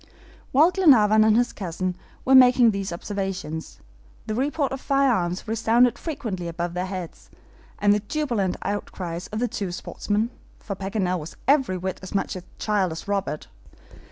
While Glenarvan and his cousin were making these observations, the report of firearms resounded frequently above their heads, and the jubilant outcries of the two sportsmen for Paganel was every whit as much a child as Robert.